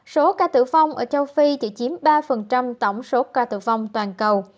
số ca tử vong ở châu phi chỉ chiếm ba tổng số ca tử vong toàn cầu